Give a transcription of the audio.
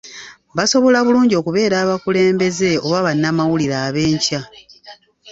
Basobola bulungi okubeera abakulembeze oba bannamawulire ab'enkya.